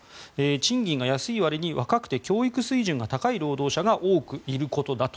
賃金が安いわりに若くて教育水準が高い労働者が多くいることだと。